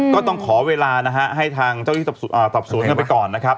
ก็ต้องขอเวลาให้ทางเจ้าที่ตอบสวนกันไปก่อน